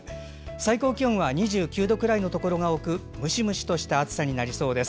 最高気温は２９度くらいのところが多くムシムシとした暑さになりそうです。